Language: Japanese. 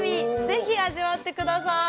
ぜひ味わって下さい。